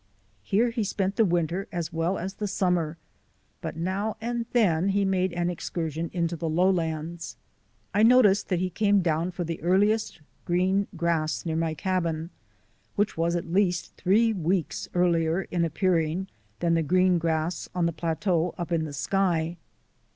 Here he spent the winter as well as the summer, but now and then he made an excursion into the lowlands. I no ticed that he came down for the earliest green grass near my cabin, which was at least three weeks earlier in appearing than the green grass on the plateau up in the sky.